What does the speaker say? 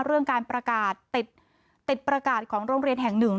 เรื่องการประกาศติดประกาศของโรงเรียนแห่งหนึ่ง